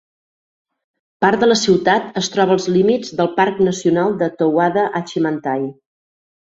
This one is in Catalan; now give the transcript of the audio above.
Part de la ciutat es troba als límits del parc nacional de Towada-Hachimantai.